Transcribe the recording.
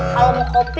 kalau mau kopi